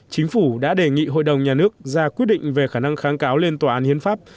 chính phủ đã đề nghị hội đồng nhà nước ra quyết định về khả năng kháng cáo lên tòa án hiến pháp